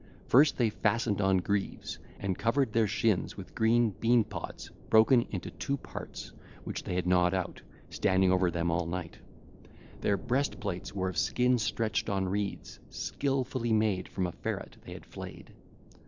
First they fastened on greaves and covered their shins with green bean pods broken into two parts which they had gnawed out, standing over them all night. Their breast plates were of skin stretched on reeds, skilfully made from a ferret they had flayed.